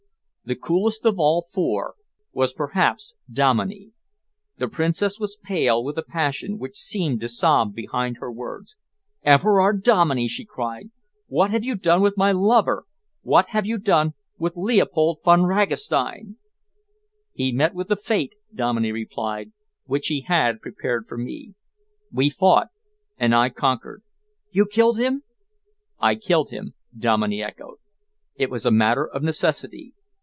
The coolest of all four was perhaps Dominey. The Princess was pale with a passion which seemed to sob behind her words. "Everard Dominey," she cried, "what have you done with my lover? What have you done with Leopold Von Ragastein?" "He met with the fate," Dominey replied, "which he had prepared for me. We fought and I conquered." "You killed him?" "I killed him," Dominey echoed. "It was a matter of necessity.